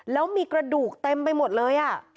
แล้วมีกระดูกเต็มไปหมดเลย